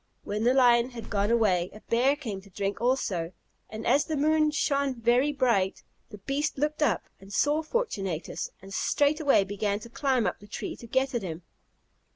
When the lion had gone away, a bear came to drink also; and, as the moon shone very bright, the beast looked up, and saw Fortunatus, and straightway began to climb up the tree to get at him.